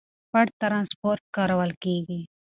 پټ ترانسپورت کارول کېږي.